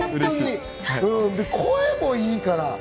声もいいから。